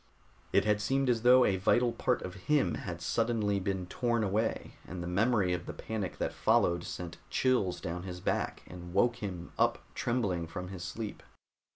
It had seemed as though a vital part of him had suddenly been torn away, and the memory of the panic that followed sent chills down his back and woke him up trembling from his sleep.